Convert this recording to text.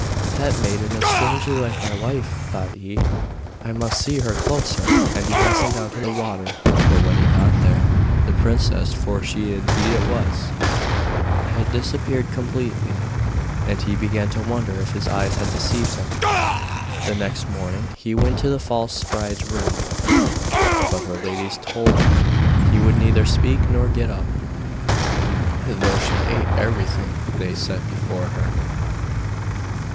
'That maiden is strangely like my wife,' thought he; 'I must see her closer! And he hastened down to the water. But when he got there, the princess, for she indeed it was, had disappeared completely, and he began to wonder if his eyes had deceived him. The next morning he went to the false bride's room, but her ladies told him she would neither speak nor get up, though she ate everything they set before her.